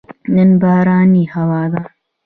نن بارانې هوا ده